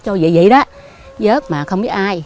cho vậy vậy đó vớt mà không biết ai